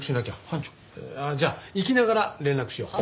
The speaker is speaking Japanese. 班長？じゃあ行きながら連絡しよう。